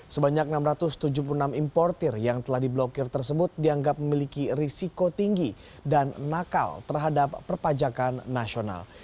sebanyak enam ratus tujuh puluh enam importir yang telah diblokir tersebut dianggap memiliki risiko tinggi dan nakal terhadap perpajakan nasional